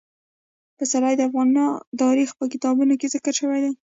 پسرلی د افغان تاریخ په کتابونو کې ذکر شوی دي.